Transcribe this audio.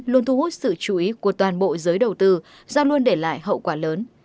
luôn thu hút sự chú ý của toàn bộ giới đầu tư do luôn để lại hậu quả lớn